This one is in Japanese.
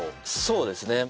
そうですね。